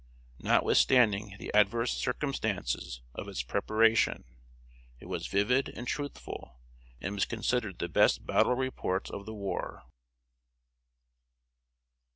Notwithstanding the adverse circumstances of its preparation, it was vivid and truthful, and was considered the best battle report of the war.